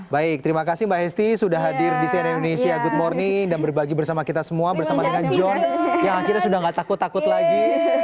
baik terima kasih mbak hesti sudah hadir di cnn indonesia good morning dan berbagi bersama kita semua bersama dengan john yang akhirnya sudah tidak takut takut lagi